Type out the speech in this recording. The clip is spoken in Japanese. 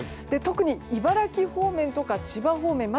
特に茨城方面とか千葉方面